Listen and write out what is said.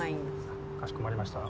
・あっかしこまりました。